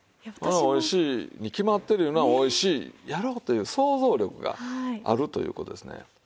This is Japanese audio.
おいしいに決まってるいうのはおいしいやろうという想像力があるという事ですね。